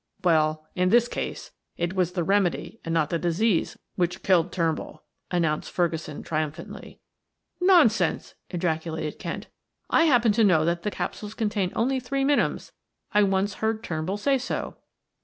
Well, in this case it was the remedy and not the disease which killed Turnbull," announced Ferguson triumphantly. "Nonsense!" ejaculated Kent. "I happen to know that the capsules contain only three minims I once heard Turnbull say so."